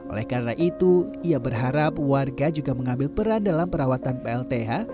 oleh karena itu ia berharap warga juga mengambil peran dalam perawatan plth